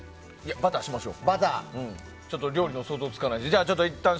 バターにしましょう。